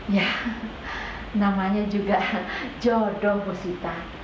ya namanya juga jodoh bu sita